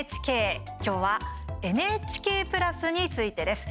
今日はＮＨＫプラスについてです。